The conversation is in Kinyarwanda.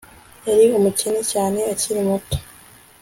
Yari umukene cyane akiri muto